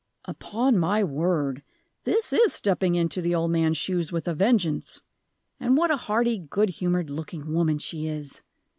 "Upon my word, this is stepping into the old man's shoes with a vengeance! And what a hearty, good humored looking woman she is!